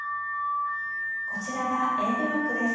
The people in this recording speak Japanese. こちらがＡブロックです。